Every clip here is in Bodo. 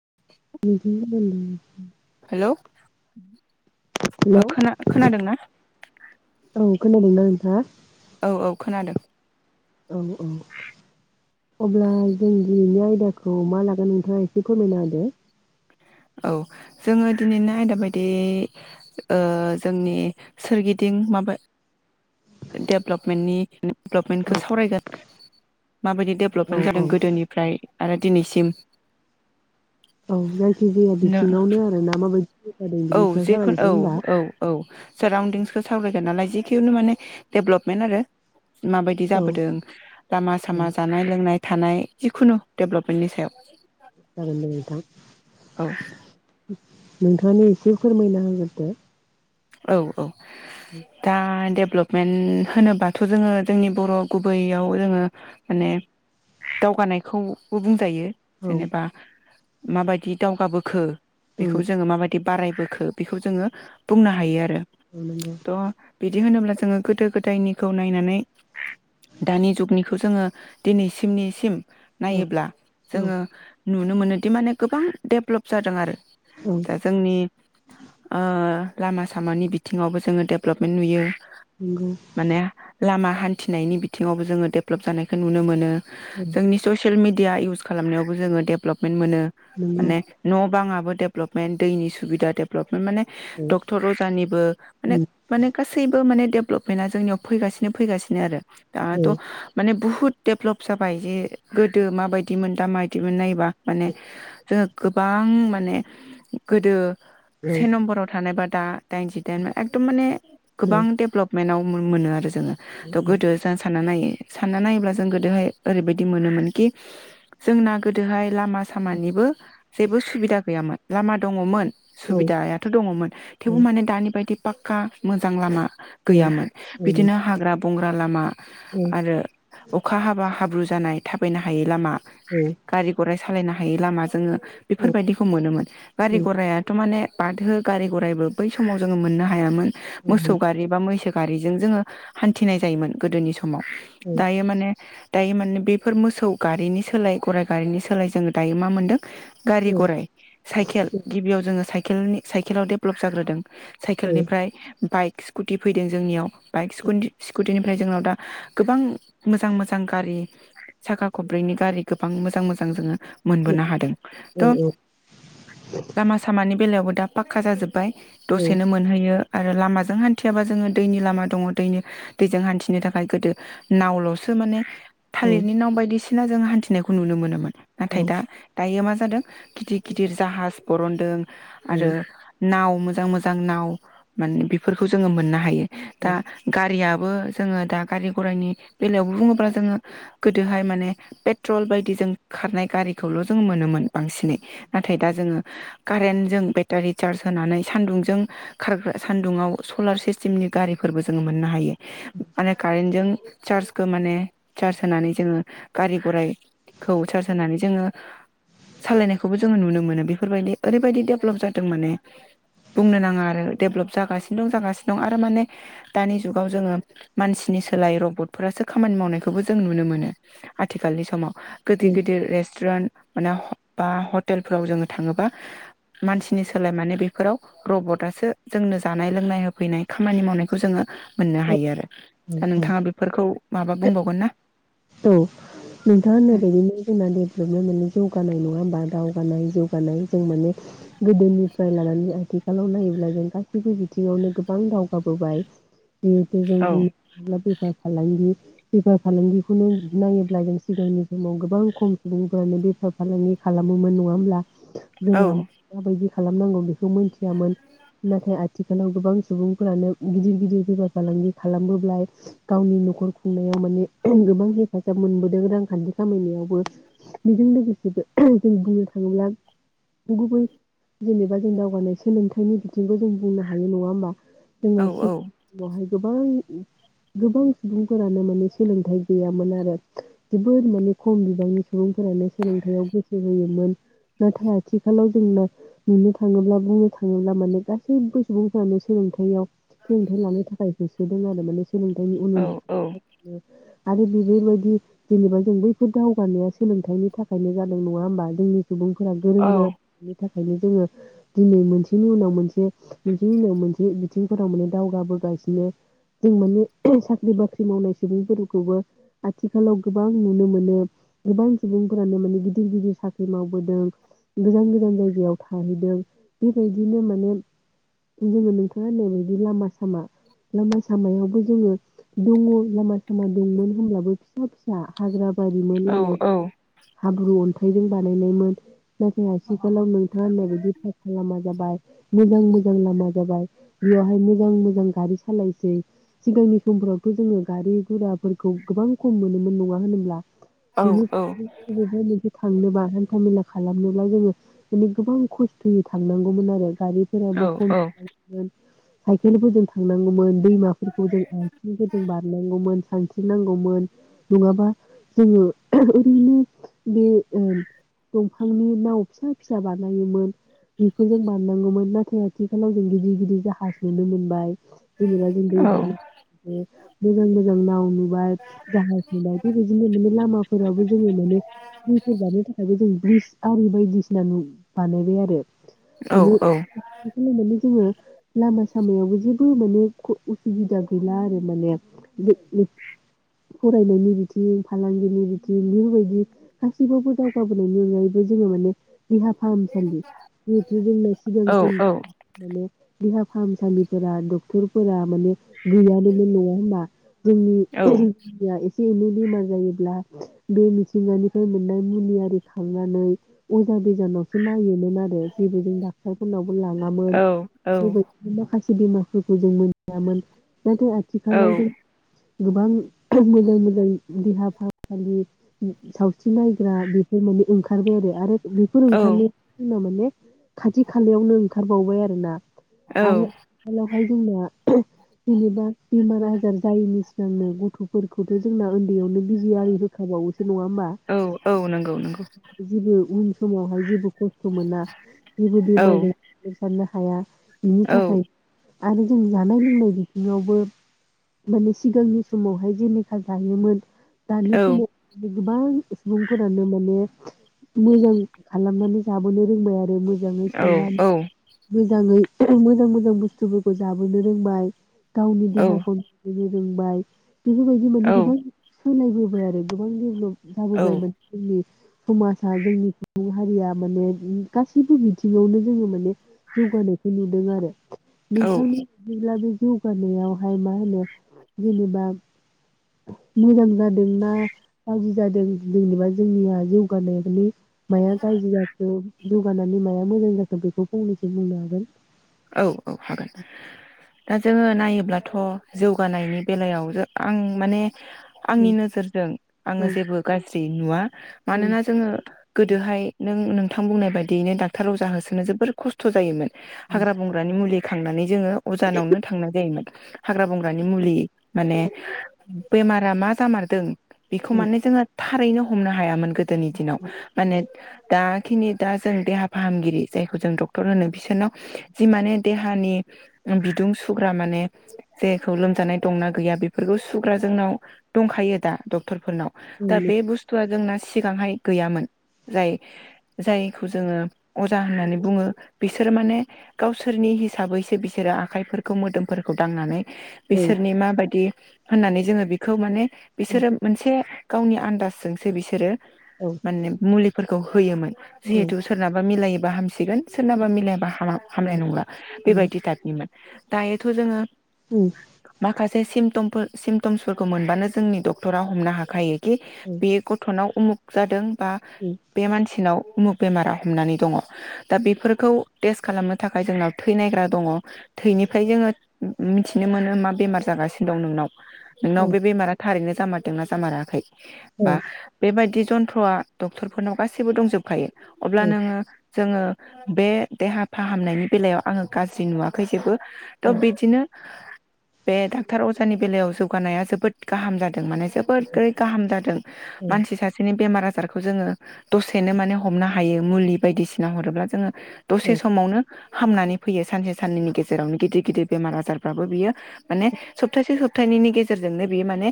उह [unintelligible] हेलौ हेलौ खोना खोनादों ना? हो औ औ खोनादों [inaudible] औ औ अब्ला जों दिनि आयदाखौ मा लागोन नोंथाङा एसे फोरमायना होदो औ जोङो दिनैनो आयदा बायदि जोंनि सोरगिदिं माबा डेभलपमेन्टनि डेभलपमेन्टखौ सावरायगोन माबायदि औ डेभलपमेन्ट औ जादों गोदोनिफ्राय आरो दिनैसिम औ जायखि जाया नो बिथिङावनो आरो ना माबायदि जौगादों औ बिनि सायाव जेखुन सावरायनोसै होमबा औ औ औ साराउन्दिंसखौ सावरायगोन नालाय जिखिुननो माने डेभलपमेन्ट आरो माबायदि औ जाबोदों लामा औ सामा जानाय लोंनाय थानाय जिखुनु डेभ्लपमेन्टनि सायाव जागोनो दे नोंथां औ नोंथाङानो एसे फोरमायना होग्रोदो औ औ दा दे डेभ्लपमेन्ट होनोबाथ' जोङो जोंनि बर' गुबैयाव जोङो माने दावगानायखौबो बुंजायो औ जेनेबा माबायदि दावगाबोखो ओं बेखौ जोङो माबायदि बि बारायबोखो बेखौ जोङो बुंनो हायो आरो थ' [unintelligible] बिदि होनोब्ला जोङो गोदो गोदायनिखौ नायनानै दानि जुगनिखौ जोङो दिनैसिम निसिम औ नायोब्ला औ जोङो नुनो मोनोदि माने गोबां डेभलप जादों आरो औ दा जोंनि लामा सामानि बिथिङावबो जोङो डेभेलपमेन्ट नुयो नंगौ माने लामा हान्थिनायनि बिथिङावबो जोङो डेभलप जानायखौ नुनो मोनो औ जोंनि ससियेल मिडिया इउस खालामनायावबो जोङो डेभेलप मोनो नंगौ माने न बां आ डेभेलपमेन्ट दैनि सुबिदा डेभेलपमेन्ट माने औ डक्टर अजानिबो माने उम माने गासैबो माने डेभलपमेन्टआ जोंनियाव फैगासिनो फैगासिनो आरो औ दाथ' माने बु डेभलप जाबाय जे गोदो माबायदि मोन दा माबायदिमोन नायोबा माने जोङ गोबां माने गोदो औ से नमबर मबा दा दाइन जि दाइन एकदम माने गोबां डेभेलपमेन्टाव मोनो आरो जोङो थ' गोदो औ जों सानना नायो सानना नायोब्ला जों गोदोहाय ओरैबायदि मोनोमोन खि जोंना गोदोहाय लामा सामानिबो जेबो सुबिदा गैयामोन लामा दङमोन सुबिदायाथ' दङमोन थेवबो माने दानि बायदि पाक्का मोजां लामा गैयामोन बिदिनो हाग्रा बंग्रा लामा आरो अखा हाबा हाब्रु जानाय थाबायनो हायै लामा। औ गारि गराइ सालायना हायो लामा जोङो औ बेफोरबायदिखौ मोनोमोन औ गारि गरायाथ' माने बाथो गारि गराइबो बै समाव जोङो मोननो हायामोन। मोसौ गारि बा मैसो गारिजों जोङो हान्थिनाय जायोमोन गोदोनि सम। माव औ दायो माने दायो माने बेफोर मोसौ गारिनि सोलाय गराइ गारिनि सोलाय जोङो दायो मा मोनदों गारि गराइ साइकेल गिबियाव जोङो साइक केलनि साइकेलाव दडेभेलप जाग्रोदों। साइकेलनिफ्राय बाइक स्कुटि फैदों जोंनियाव। बाइक स्कुनदि स्कुटिनि ओमफ्राय जोंनाव दा गोबां मोजां मोजां गारि साखा खब्रैनि गारि गोबां मोजां मोजां जोङो मोनबोनो हादों त' लामा सामानि बेलायावबो दा पाक्का जाजोब्बाय। दसेनो मोनहैयो। आरो लामाजों हान्थियाबा जोङो दैनि लामा दङ दैनि दैजों हान्थिनो थाखाय गोदो नावल'सो माने थालिरनि नाव बायदिस सिना जों हान्थिनायखौ नुनो मोनोमोन। नाथाय दा दायो मा जादों गिदिर गिदिर जाहाज बरनदों आरो नाव मोजां मोजां नाव माने बेफोरखौ जोङो मोननो हायो। दा गारिया बो जोङो दा गारि गराइनि बेलायावबो बुङोब्ला जोङो गोदोहाय माने पेट्रल बायदि जों खारनाय गारिखौल' जोङो मोनोमोन। बांसिनै नाथाय दा जोङो कारेन्टजों बेटारि चार्ज होनानै सान्दुंजों खारग्रा सान्दुङाव सलार सिस्टेमनि गारिफोरबो जोङो मोननो हायो। माने कारेन्टजों चार्जखौ माने चार्ज होनानै जोङो गारि गराइखौ चार्ज होनानै जोङो सालायनायखौबो जोङो नुनो मोनो बेफोरबायदि ओरैबायदि डेभलप जाद दों माने बुंनो नाङा आरो देभलप जागासिनो दं जागासिनो दं आरो माने दानि जुगाव जोङो मानसिनि सोलाय रबटफोरासो खामानि मावनायखौबो जों नुनो मोनो आथिखालनि समाव। गिदिर गिदिर रेस्टुरेन्ट माने बा हटेलफोराव जोङो थाङोबा मानसि नि सोलाय माने बेफोराव रबटआसो जोंनो जानाय लोंनाय होफैनाय खामानि मावनायखौ जोङो मोननो हायो आरो। दा नोंथाङा बेफोरखौ माबा बुंबावगोन ना? औ नोंथांङा होननाबायदिनो जोंना डेबलबमेन्ट माने जौगा नाय नङा होमबा दावगानाय जौगानाय जों माने गोदोनिफ्राय लानानै आथिखालाव नायोब्ला जों गासैबो बिथिङावनो गोबां दावगाबोबाय। [inaudible] औ फालांगि बेफार फालांगि खौनो नायोब्ला जों सिगांनि समाव गोबां खम सुबुंफ्रानो बेफार फालांगि खालामोमोन। नङा होमब्ला? औ जोंना माबायदि खालामनांगौ बेखौ मोन्थियामोन। नाथाय आथिखालाव गोबां सुबुंफोरानो गिदिर गिदिर बेफार फालांगि खालामोब्ला गावनि न'खर खुंनायाव माने गोबां हेफाजाब मोनबोदों रांखान्थि खामायनायावबो बेजों लोगोसे जों बुंनो थाङोब्ला गुबै जेनेबा जों दावगानाय सोलोंथाइनि बिथिंखौ जों बुंनो हायो नङा होमबा। जोङो औ सि गहाय गोबां गोबां सुबुंफोरानो माने सोलोंथाइ गैयामोन आरो जोबोद माने खम बिबांनि सुबुंफोरानो सोलोंथाइयाव गोसो होयोमोन। नाथाय आथिखालाव जोंना नुनो थाङोब्ला बुंनो थाङोब्ला माने गासैबो सुबुंफ्रानो सोलोंथाइयाव सोलोंथाइ लानो थाखाय बि [inaudible] सोलोंथाइनि उन औ उन औ आरो बेफोरबादि जेनेबा जों बैफोर दावगानाया सोलोंथाइनि थाखायनो जादों नङा होमबा जोंनि सुबुंफोरा औ गोरों गोरा थाखायनो जोङो दिनै मोनसेनि उनाव मोनसे मोनसेनि उनाव मोनसे बिथिंफोराव माने दावगाबोगासिनो जों माने साख्रि बाख्रि मावनाय सुबुंफोरखौबो आथिखालाव गोबां नुनो मोनो गोबां सुबुंफोरानो माने गिदिर गिदिर साख्रि मावबोदों गोजान गोजान जायगायाव थाहैदों बेबायदिनो माने जोङो नोंथाङा होननाय बायदि लामा सामा लामा सामायावबो जोङो दङ सामा दंमोन होमब्लाबो फिसा फि सा हाग्रा बायदिमोन औ लामा हाब्रु अन्था यजों बानायनायमोन। नाथाय आथि खलाव नोंथाङा होननायबायदि फाखा लामा जाबाय मोजांमोजां लामा जाबाय बेयावहाय मोजां मोजां गारि सालायसै। सिगांनि समफोरावथ' जोङो गारि गुराफोरखौ गोबां खम मोनोमोन नङा होनोब्ला औ बिनि [unintelligible] थांनोबा हान्था मेला खालामनोब्ला जोङो माने गोबां खस्थ'यै थांनांगौमोन आरो गारिफोराबो औ खम खालामोन साइकेलफोरजों थांनांगौमोन दैमाफोरखौ जों आइथिंफोरजों बारनांगौमोन। सानस्रिनांगौमोन नङाबा जोङो ओरैनो बे ओ बिफांनि नाव फिसा फिसा बानायोमोन बेखौ जों बानांगोमोन नाथाय आथिखालाव जों गिदिर गिदिर जाहाज नुनो मोनबाय जेनेबा जों दै बार ओ मोजां मोजां जों नावनो बास जाहाजनि बायदि बायदिनि लामाफोराव जों माने मोसो थिनो थाखायबो ब्रिज आरि बायदिसि होननानै बानायबाय आरो माने बेखौनो जोङो लामास सामायावबो जेबो माने खु उसुबिदा गैला आरो माने फरायनायनि बिथिं फालांगिनि बिथिं बेफोरबायदि गासैबावबो दावगाबोनायनि अनगायैबो जोङो माने देहा फाहामसालि जिहेथु जोंनो सिगां सिन माने देहा फाहामसालिफोरा डक्टरफोरा माने गैयानोमोन न'आव होना [unintelligible] एसे एनै बेमार जायोब्ला बे मिथिंगानिफ्राय मोननाय मुलि आरि खांनानै अजा बेजानावसो नायोनो मा दो जेबो जो डाक्टारफोरनावबो लाङामोन बेबायदिनो माखासे पुदेमाफोरखौ जों मोनयामोन जाथे आथिखालाव जों गोबां खोब मोजां मोजां देहा फाहामसालि सावस्रि नायग्रा बेफोर माने ओंखारबाय आरो आरो बेफोर ओंखारनाय जोंना माने खाथि खालायावनो ओंखारबावबाय आरोना औ आरो आखालावहाय जोंना जेनेबा बेमार आजार जायैनि सिगांनो गथ'फोरखौथ' जोंना उन्दैयावनो बिजि आररि होखाबावोसै नङा होमबा औ औ नंगौ नंगौ जेबो उन समावहाय जेबो खस्थ' मोना जेबो औ बेमारजोंसारनो हा हाया बिनि औ थाखाय आरो जों जानाय लोंनाय बिथिंआवबो माने सिगांनि समावहाय जेनेखा जायोमोन दानि औ समाव गोबां सुबुंफोरानो माने मोजां खालामनानै जाबोनो रोंबाय आरो मोजां। मोजाङै औ संनानै मोजाङै मोजां मोजां बुस्थुफोरखौ जाबोनो रोंबाय। गावनि औ देहाखौ बिनो रोंबाय बेफोरबायदि माने गोबां होनायबोबाय आरो गोबां डेभेलप जाबोबायमोन जोंनि समाजा जोंनि सुबुं हारिया माने गासैबो बिथिङावनो जोङो माने जौगानायखौ नुदों आरो। औ नोंथांमोन बिदिब्लाबो जौगानायावहाय मा होनो? जेनेबा, मोजां जादों ना गाज्रि जादों? जेनेबा जोंनिया जौगानानै माया गाज्रि जाखो जौगानानै माया मोजां जाखो बेखौ फंनैसो बुंनो हागोन? औ औ हागोन। दा जोङो नायोब्लाथ' जौगानायनि बेलायाव आं माने आंनि नोजोरजों आङो जेबो गाज्रि जि नुआ। मानोना जोङो गोदोहाय नों नों मोगथां बुंनाय बायदियैनो डाक्टार अजा होसोनो जोबोर खस्थ' जायोमोन। हाग्रा बंग्रानि मुलि खांनानै जोङो अजानावनो थांनाय जायोमोन। हाग्रा बंग्रानि मुलि। माने बेमारा मा जामार दों बेखौ माने जोङो थारैनो हमनो हायामोन। गोदोनि दिनाव माने दा खिनि दा जों देहा फाहामगिरि जायखौ जों डक्टर होनो बिसोरनाव जि माने देहानि बिदुं सुग्रा माने जेखौ लोमजानाय दंना गैया बेफोरखौ सुग्रा जोंनाव दंखायो दा डक टरफोरनाव दा बे बुस्थुव जोंना सिगांहाय गैयामोन जाय जायखौ जोङो अजा होननानै बुङो बिसोरो माने गावसोरनि हिसाबैसो बिसोरो आखाइफोरखौ मोदोमफोरखौ दांनानै बिसोरनि माबायदि होननानै जोङो बेखौ माने बिसोरो मोनसे गावनि आन्दाजजोंसो बिसोरो माने मुलि फोरखौ होयोमोन जिहेथु सोरनाबा मिलायो हामसिगोन सोरनाबा मिलायाबा हामा हामनाय नंला बेबायदि टाइपनिमोन दायोथ' जोङो माखासे सिम टम सिमटमसफोरखौ मोनबानो जोंनि डक्टरा हमनो हाखायो। खि बे गथ'नाव उमुक जादों बा बे मानसिनाव उमुग बेमारा हमनानै दङ दा बेफोरखौ टेस्ट खालामनो थाखाय जोंनाव थै नायग्रा दङ थैनिफ्राय जोङो मिथिनो मोनो मा बेमार जागासिनो दं नोंनाव नोंनाव बे बेमारा थारैनो जामारदोंना जामाराखै? बा बेबायदि जन्थ्र'आ डक्टरफोरनाव गासैबो दंजोबखायो। अब्ला नोङो जोङो बे देहा फाहामनायनि बेलायाव आङो गाज्रि नुवाखै जेबो थ' बिदिनो बे डाक्टार अजानि बेलायाव जौगानाया जोबोद गाहाम जादों माने जोबोरै गाहाम जादों मानसि सासेनि बेमारा जारखौ जोङो दसेनो माने हमनो हायो मुलि बायदिसिना हरोब्ला जोङो औ मावनो हामनानै फैयो सानसे साननैनि गेजेरावनो गिदिर गिदिर बेमार आजारफ्राबो बियो माने सप्तासे सप्तानैनि गेजेरजोंनो बियो माने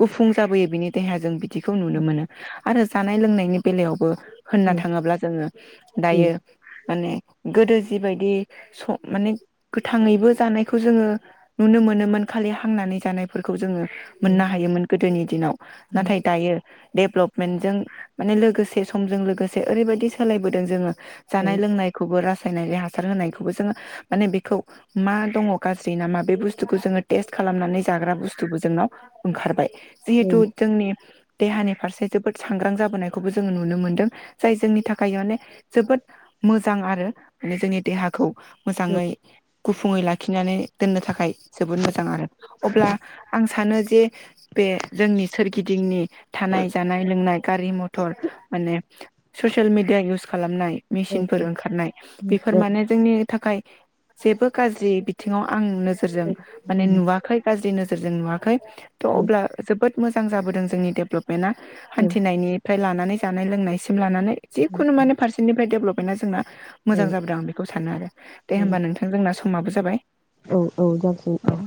गुफुं जाबोयो बिनि देहा जों बिदिखौ नुनो मोनो। आरो जानाय लोंनायनि बेलायावबो होनना थाङोब्ला जोङो दायो। माने गोदो जिबायदि स माने गोथाङैबो जानायखौ जोङो नुनो मोनोमोन खालि हांनानै जानायफोरखौ जोङो मोननो हायोमोन गोदोनि दिनाव नाथाय दायो डेभल्पमेन्टजों माने लोगोसे समजों लोगोसे ओरैबायदि सोलायबोदों जोङो जानाय लोंनायखौबो राज सायनारि हासार होनायखौबो जोङो माने बेखौ मा दङ गाज्रि ना मा बे बुस्थुखौ जोङो टेस्ट खालामनानै जाग्रा बुस्थुबो जोंनाव ओंखारबाय। जिहेथु जोंनि देहानि फारसे जोबोद सांग्रां जाबोनायखौबो जोङो नुनो मोनदों जाय जोंनि थाखाय माने जोबोद मोजां आरो। बे जोंनि देहाखौ मोजाङै गुफुङै लाखिनानै दोननो थाखाय जोबोद मोजां आरो अब्ला आं सानो जे बे जोंनि सोरगिदिंनि थानाय जानाय लोंनाय गारि मथर माने ससियेल मेडिया इउस खालामनाय मेसिनफोर ओंखारनाय फोर माने जोंनि थाखाय जेबो गाज्रि बिथिङाव आं नोजोरजों माने नुवाखै गाज्रि नोजोर जों नुवाखै। थ' अब्ला जोबोद मोजां जाबोदों जोंनि डेभ्लप मेन्थआ हान्थिनायनिफ्राय लानानै नानै जानाय लोंनायसिम लानानै जिखुनु माने फारसेनिफ्राय डेभ्लप मेन्थआ जोंना‌ औ मोजां जाबोदों आं बेखौ सानो आरो दे होमबा औ नोंथां जोंना स माबो जाबाय। औ औ जासिगोन।